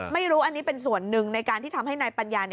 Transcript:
ไม่รู้อันนี้เป็นส่วนหนึ่งในการที่ทำให้นายปัญญา